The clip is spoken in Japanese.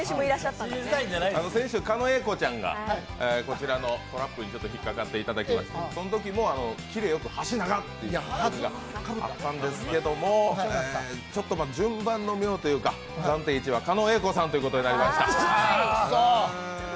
先週、狩野英孝ちゃんがこちらのトラップにひっかかっていただきましてそのときもキレよく箸ながっとあったんですがちょっと順番の妙というか暫定１位は狩野英孝さんとなりました。